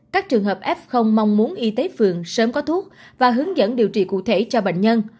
các trường hợp f mong muốn y tế phường sớm có thuốc và hướng dẫn điều trị cụ thể cho bệnh nhân